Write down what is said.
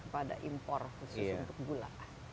pada impor khusus untuk gula